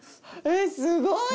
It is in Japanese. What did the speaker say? えっすごい！